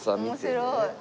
面白い。